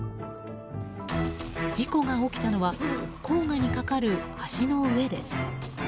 事故が起きたのは黄河に架かる橋の上です。